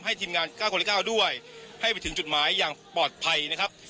ทีมงาน๙คนละ๙ด้วยให้ไปถึงจุดหมายอย่างปลอดภัยนะครับ